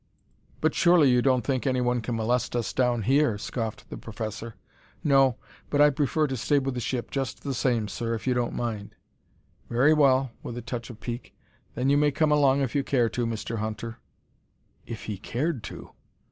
"But surely you don't think anyone can molest us down here?" scoffed the professor. "No, but I'd prefer to stay with the ship just the same, sir, if you don't mind." "Very well" with a touch of pique. "Then you may come along if you care to, Mr. Hunter." If he cared to!